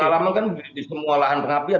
pengalaman kan di semua lahan pengabdian